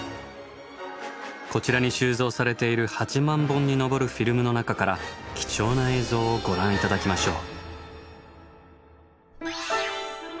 こちらに収蔵されている８万本に上るフィルムの中から貴重な映像をご覧頂きましょう。